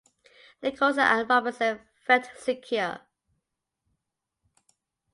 Nicholson and Robinson felt secure.